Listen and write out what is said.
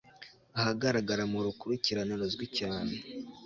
ahagaragara murukurikirane ruzwi cyane